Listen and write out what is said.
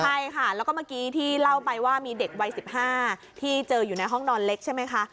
ใช่ค่ะแล้วก็เมื่อกี้ที่เล่าไปว่ามีเด็กวัย๑๕ที่เจออยู่ในห้องนอนเล็กใช่ไหมคะ